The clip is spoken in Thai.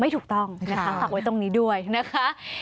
ถูกต้องนะคะฝากไว้ตรงนี้ด้วยนะคะ